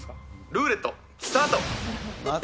ルーレットスタート。